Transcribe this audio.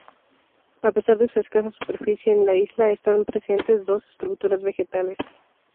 A pesar de su escasa superficie, en la isla están presentes dos estructuras vegetales.